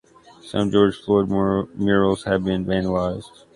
Some George Floyd murals have been vandalized.